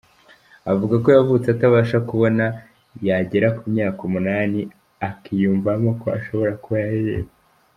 Avuga ko yavutse atabasha kubona yagera ku myaka umunani akiyumvamo ko ashobora kuba yaririmba.